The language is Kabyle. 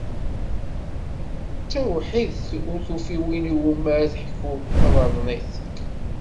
D tawḥidt, ur tufi win iwumi ara teḥku tabaḍnit.